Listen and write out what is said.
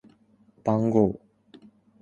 番号